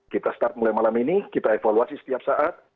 kita start mulai malam ini kita evaluasi setiap saat